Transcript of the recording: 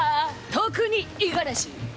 特に五十嵐。